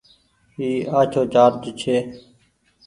اي آڇهو چآرج ڇي۔